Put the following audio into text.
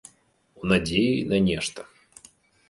У надзеі на нешта.